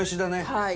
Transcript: はい。